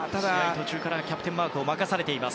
途中からキャプテンマークを任されています。